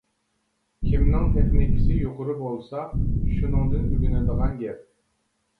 كىمنىڭ تېخنىكىسى يۇقىرى بولسا شۇنىڭدىن ئۆگىنىدىغان گەپ.